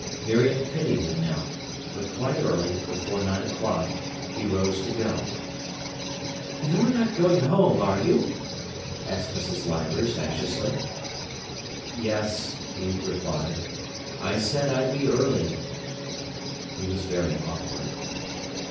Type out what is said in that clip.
Miriam pitied him now. But quite early, before nine o'clock, he rose to go. "You're not going home, are you?" asked Mrs. Leivers anxiously. "Yes," he replied. "I said I'd be early." He was very awkward.